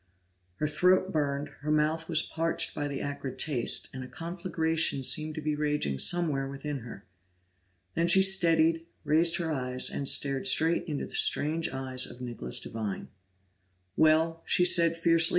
Her throat burned, her mouth was parched by the acrid taste, and a conflagration seemed to be raging somewhere within her. Then she steadied, raised her eyes, and stared straight into the strange eyes of Nicholas Devine. "Well?" she said fiercely.